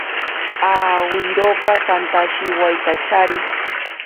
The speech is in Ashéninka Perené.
Awiroka kantashiwaitachari.